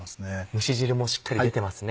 蒸し汁もしっかり出てますね。